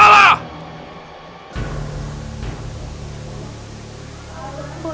aku kaget sama ibu